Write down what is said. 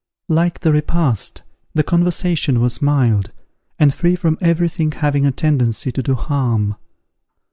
Like the repast, the conversation was mild, and free from every thing having a tendency to do harm.